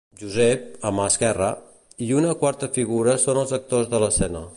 Josep, a mà esquerra, i una quarta figura són els actors de l'escena.